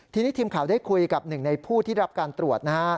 ทีนี้ทีมข่าวได้คุยกับหนึ่งในผู้ที่รับการตรวจนะฮะ